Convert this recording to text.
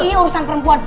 ini urusan perempuan